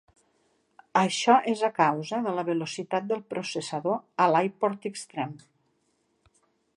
Això és a causa de la velocitat del processador a l'AirPort Extreme.